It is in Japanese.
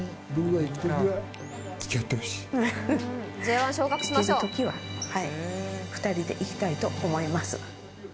行けるときは２人で行きたいと思います。